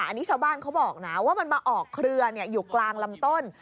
อันนี้ชาวบ้านเขาบอกนะว่ามันมาออกเครืออยู่กลางลำต้น